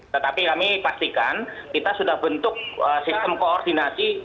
tetapi kami pastikan kita sudah bentuk sistem koordinasi